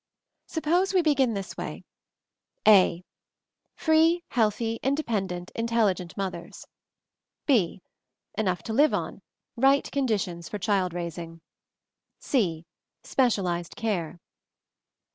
Suppose we begin this way: 'a. Free, healthy, independent, intelligent mothers. "b. Enough to live on — right conditions for child raising. f c. Specialized care.